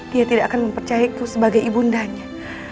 dia tidak akan mempercayai aku sebagai ibundanya